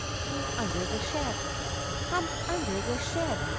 Come under the shed ! Come under the shed